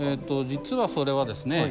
実はそれはですね